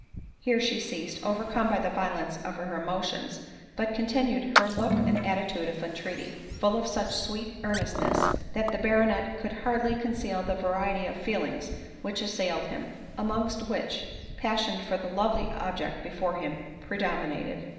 Here she ceased, overcome by the violence of her emotions ; but continued her look and attitude of entreaty, full of such sweet earnestness, that the baronet could hardly conceal the variety of feelings which assailed him ; amongst which, passion for the lovely object before him predominated.